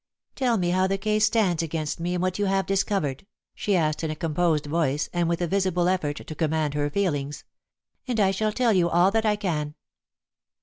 "Tell me how the case stands against me and what you have discovered," she asked in a composed voice, and with a visible effort to command her feelings. "And I shall tell you all that I can."